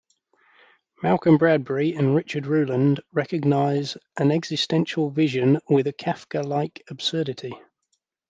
Malcolm Bradbury and Richard Ruland recognize an existential vision with a "Kafka-like absurdity".